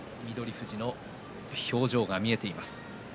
富士の表情が見えています。